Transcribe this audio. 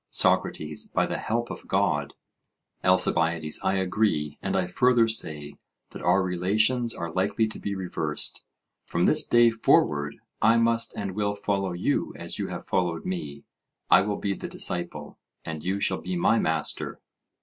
SOCRATES: By the help of God. ALCIBIADES: I agree; and I further say, that our relations are likely to be reversed. From this day forward, I must and will follow you as you have followed me; I will be the disciple, and you shall be my master.